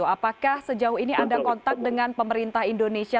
apakah sejauh ini anda kontak dengan pemerintah indonesia